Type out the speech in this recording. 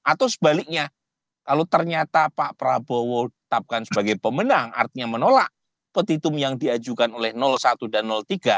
atau sebaliknya kalau ternyata pak prabowo tetapkan sebagai pemenang artinya menolak petitum yang diajukan oleh satu dan tiga